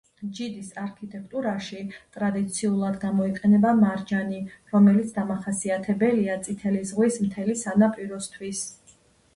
ჯიდის არქიტექტურაში ტრადიციულად გამოიყენება მარჯანი, რომელიც დამახასიათებელია წითელი ზღვის მთელი სანაპიროსთვის.